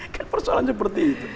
kan persoalan seperti itu